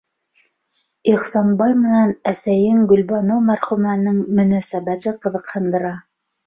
Ихсанбай менән әсәйең Гөлбаныу мәрхүмәнең мөнәсәбәте ҡыҙыҡһындыра.